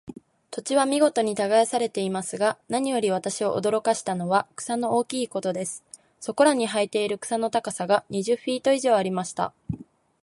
土地は見事に耕されていますが、何より私を驚かしたのは、草の大きいことです。そこらに生えている草の高さが、二十フィート以上ありました。